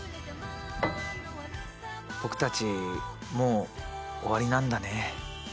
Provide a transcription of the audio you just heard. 僕たちもう終わりなんだね。